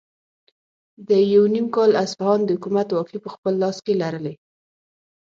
ده یو نیم کال اصفهان د حکومت واکې په خپل لاس کې لرلې.